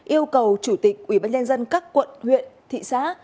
yêu cầu chủ tịch ubnd các quận huyện thị xã